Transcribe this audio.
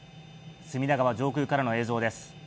隅田川上空からの映像です。